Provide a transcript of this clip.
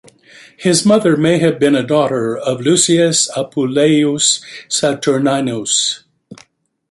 His mother may have been a daughter of Lucius Appuleius Saturninus.